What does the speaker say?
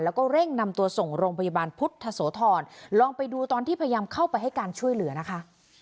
แล้วก็เร่งนำตัวส่งโรงพยาบาลพุทธโสธรลองไปดูตอนที่พยายามเข้าไปให้การช่วยเหลือนะคะ